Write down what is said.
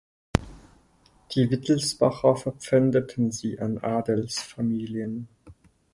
Die Wittelsbacher verpfändeten sie an Adelsfamilien.